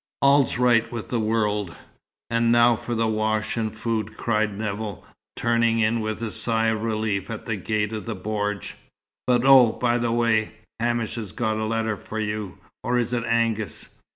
"All's right with the world, and now for a wash and food!" cried Nevill, turning in with a sigh of relief at the gate of the bordj. "But oh, by the way Hamish has got a letter for you or is it Angus?